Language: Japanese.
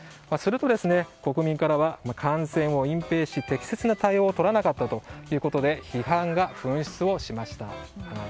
すると国民からは、感染を隠蔽し適切な対応をとらなかったということで批判が噴出しました。